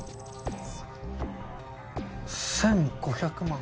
１５００万。